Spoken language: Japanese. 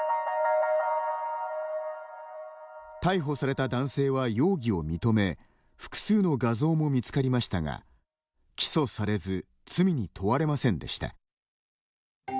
逮捕された男性は容疑を認め複数の画像も見つかりましたが起訴されず罪に問われませんでした。